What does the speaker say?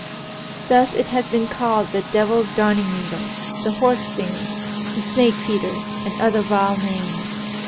Thus it has been called "the devil's darning needle," "the horse stinger," "the snake feeder," and other vile names.